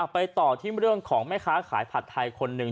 ไปต่อที่เรื่องของแม่ค้าขายผัดไทยคนหนึ่ง